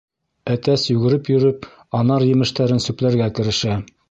Әтәс йүгереп йөрөп анар емештәрен сүпләргә керешә.